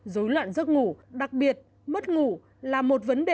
dối loạn giấc ngủ đặc biệt mất ngủ là một vấn đề